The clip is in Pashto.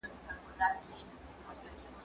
زه به سبا چپنه پاکوم!.